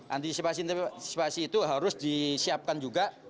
antisipasi antisipasi itu harus disiapkan juga